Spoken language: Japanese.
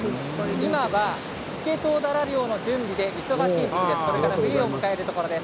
今はスケトウダラの準備で忙しいところです。